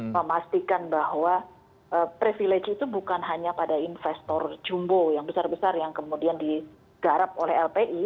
memastikan bahwa privilege itu bukan hanya pada investor jumbo yang besar besar yang kemudian digarap oleh lpi